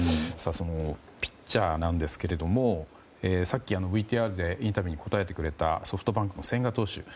ピッチャーなんですがさっき、ＶＴＲでインタビューに答えてくれたソフトバンクの千賀投手